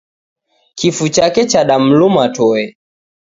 Kifu chake chadamluma toe.